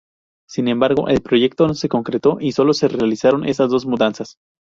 Sin embargo, el proyecto no se concretó y sólo se realizaron esas dos mudanzas.